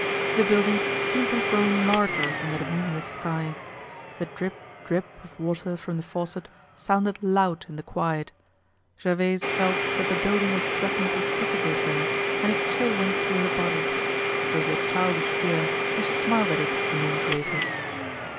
The building seemed to have grown larger under the moonless sky. The drip drip of water from the faucet sounded loud in the quiet. Gervaise felt that the building was threatening to suffocate her and a chill went through her body. It was a childish fear and she smiled at it a moment later.